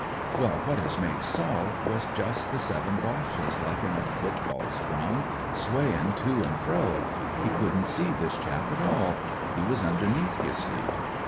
"Well, what his mate saw was just the seven Boches, like in a football scrum, swayin' to an' fro. He couldn't see this chap at all. He was imdemeath, you see.